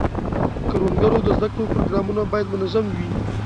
د کروندګرو د زده کړو پروګرامونه باید منظم وي.